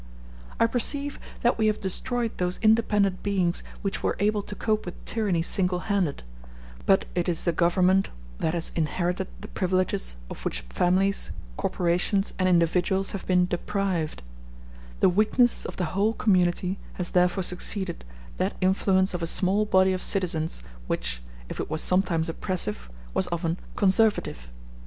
I perceive that we have destroyed those independent beings which were able to cope with tyranny single handed; but it is the Government that has inherited the privileges of which families, corporations, and individuals have been deprived; the weakness of the whole community has therefore succeeded that influence of a small body of citizens, which, if it was sometimes oppressive, was often conservative.